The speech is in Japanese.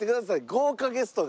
豪華ゲストが。